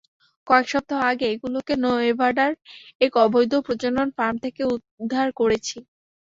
কয়েক সপ্তাহ আগে এগুলোকে নেভাডার এক অবৈধ প্রজনন ফার্ম থেকে উদ্ধার করেছি।